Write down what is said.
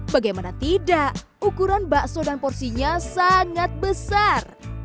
bagaimana tidak ukuran bakso dan porsinya sangat besar